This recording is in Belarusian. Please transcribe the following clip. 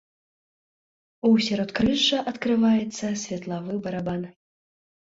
У сяродкрыжжа адкрываецца светлавы барабан.